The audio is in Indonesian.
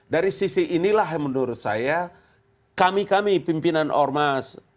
dari sisi inilah yang menurut saya kami kami pimpinan ormas